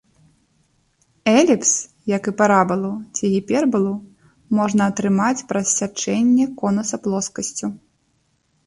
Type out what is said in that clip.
Эліпс, як і парабалу ці гіпербалу, можна атрымаць праз сячэнне конуса плоскасцю.